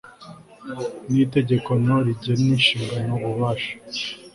y itegeko no rigena inshingano ububasha